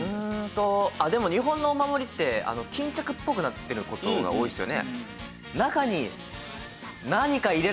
でも日本のお守りってきんちゃくっぽくなってる事が多いですよね。